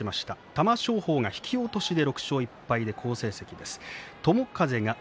玉正鳳は引き落としで６勝１敗、好成績です。